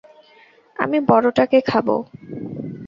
আমি বড়টাকে খাব।